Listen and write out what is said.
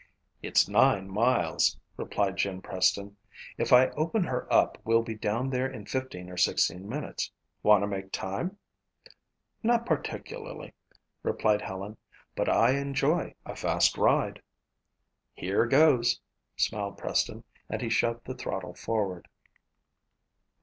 "It's nine miles," replied Jim Preston. "If I open her up we'll be down there in fifteen or sixteen minutes. Want to make time?" "Not particularly," replied Helen, "but I enjoy a fast ride." "Here goes," smiled Preston and he shoved the throttle forward.